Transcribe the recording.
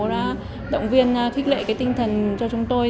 đã động viên thích lệ cái tinh thần cho chúng tôi